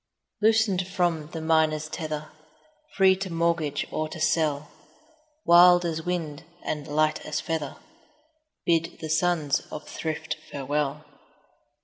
Loosen'd from the minor's tether, 5 Free to mortgage or to sell, Wild as wind, and light as feather, Bid the sons of thrift farewell.